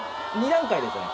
２段階ですね。